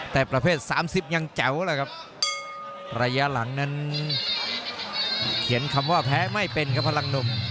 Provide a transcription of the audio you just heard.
แต่ประเภทสามสิบยังแจ๋วเลยครับระยะหลังนั้นเขียนคำว่าแพ้ไม่เป็นครับพลังหนุ่ม